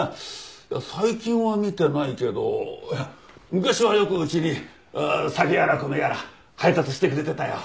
最近は見てないけど昔はよくうちに酒やら米やら配達してくれてたよ。